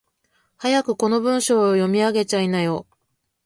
早くこの文章を読み上げちゃいなよ。